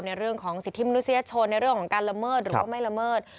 เรื่องของสิทธิมนุษยชนในเรื่องของการละเมิดหรือว่าไม่ละเมิด